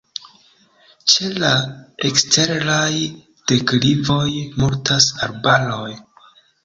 Ĉe la eksteraj deklivoj multas arbaroj.